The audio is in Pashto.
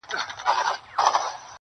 زما په لستوڼي کي ښامار لوی که!!